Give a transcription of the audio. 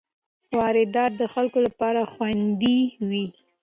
واردات د خلکو لپاره خوندي وي.